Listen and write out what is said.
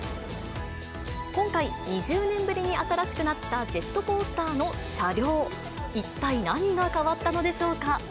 今回、２０年ぶりに新しくなったジェットコースターの車両、一体何が変わったのでしょうか。